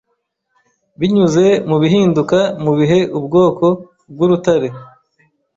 Binyuze mubihinduka mubihe ubwoko bwurutare